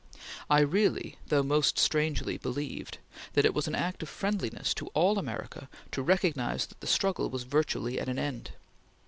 I really, though most strangely, believed that it was an act of friendliness to all America to recognize that the struggle was virtually at an end.